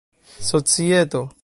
societo